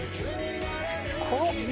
「すごっ！」